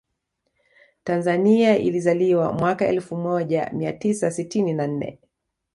Tanzania ilizaliwa mwaka Elfu moja miatisa sitini na nne